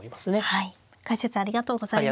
はい解説ありがとうございました。